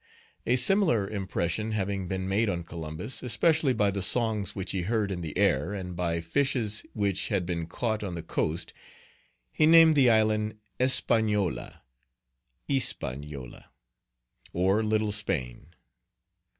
A similar impression having been made on Columbus, especially by the songs which he heard in the air, and by fishes which had been caught on the coast, he named the island Espagnola, (Hispaniola,) or Little Spain.